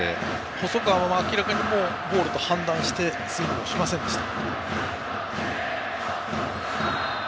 細川は明らかにボールと判断してスイングをしませんでした。